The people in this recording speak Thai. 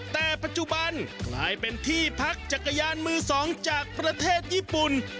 แต่ปัจจุบันกลายเป็นที่พักจักรยานมือสองจากประเทศญี่ปุ่น